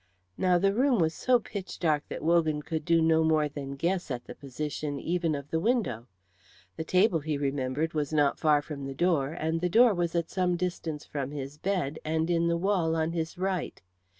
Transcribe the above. Now the room was so pitch dark that Wogan could do no more than guess at the position even of the window. The table, he remembered, was not far from the door, and the door was at some distance from his bed, and in the wall on his right.